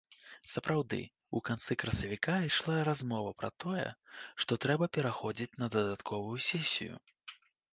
Сапраўды, у канцы красавіка ішла размова пра тое, што трэба пераходзіць на дадатковую сесію.